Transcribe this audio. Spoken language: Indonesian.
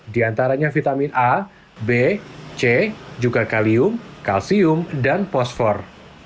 di antaranya vitamin a b c juga kalium kalsium dan fosfor